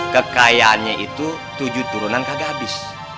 kekayaannya itu tujuh turunan kagak habis